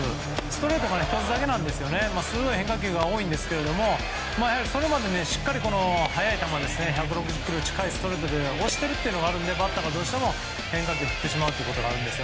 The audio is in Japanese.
ストレートが１つだけですごく変化球が多いんですがそれまで、しっかり速い球１６０キロ近いストレートで押しているというのがあるのでバッターがどうしても変化球を振ってしまうのがある。